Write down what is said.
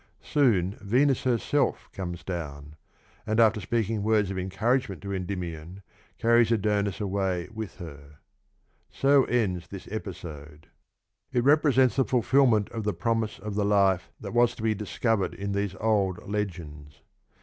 Soon Venus herself comes down, and, after speaking words of encouragement to Endymion, carries Adonis away with her. So ends this episode. It represents the fulfilment of the promise of the life that was to be discovered in these old legends.